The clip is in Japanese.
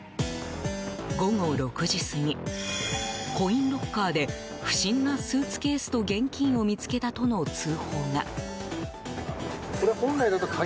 午後６時過ぎコインロッカーで不審なスーツケースと現金を見つけたとの通報が。